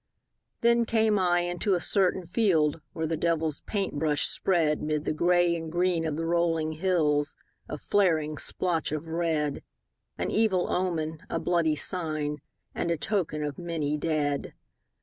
Then came I into a certain field Where the devil's paint brush spread 'Mid the gray and green of the rolling hills A flaring splotch of red, An evil omen, a bloody sign, And a token of many dead.